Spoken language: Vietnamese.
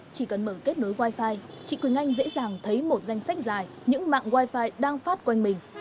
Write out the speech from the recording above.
chỉ cần mở kết nối wi fi chị quỳnh anh dễ dàng thấy một danh sách dài những mạng wifi đang phát quanh mình